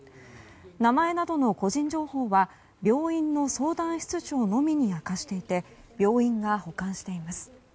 名前などの個人情報は、病院の相談室長のみに明かしていて病院が保管しています。